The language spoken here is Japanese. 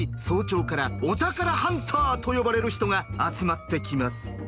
早朝からお宝ハンターと呼ばれる人が集まってきます。